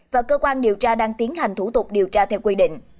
và cơ quan điều tra đang tiến hành thủ tục điều tra theo quy định